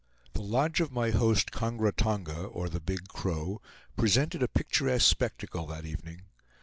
The lodge of my host Kongra Tonga, or the Big Crow, presented a picturesque spectacle that evening.